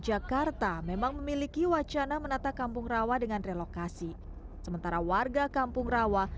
jakarta memang memiliki wacana menata kampung rawa dengan relokasi sementara warga kampung rawa